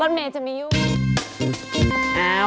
บ๊อตเมย์จะมียุค